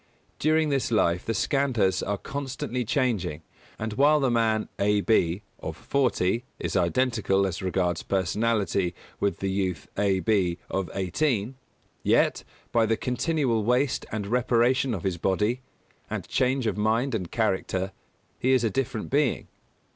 During this life the Skandhas are constantly changing; and while the man A. B., of forty, is identical, as regards personality, with the youth A. B., of eighteen, yet, by the continual waste and reparation of his body, and change of mind and character, he is a different being.